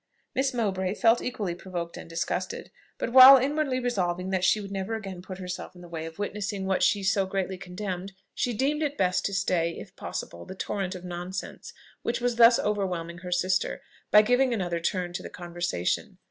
Miss Mowbray felt equally provoked and disgusted; but, while inwardly resolving that she would never again put herself in the way of witnessing what she so greatly condemned, she deemed it best to stay, if possible, the torrent of nonsense which was thus overwhelming her sister, by giving another turn to the conversation.